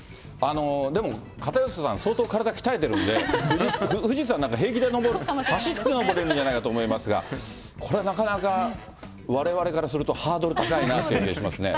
でも、片寄さん、相当体鍛えてるんで、富士山なんか平気で登る、走って登れるんじゃないかと思いますが、これなかなか、われわれからすると、相当ハードル高いなという気がしますね。